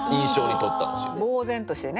ぼう然としてね。